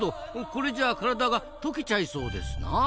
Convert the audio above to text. これじゃあ体が溶けちゃいそうですなあ。